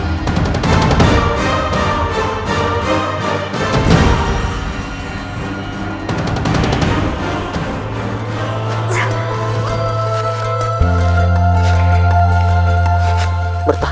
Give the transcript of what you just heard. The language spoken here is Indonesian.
kamu semua akan menangkapmu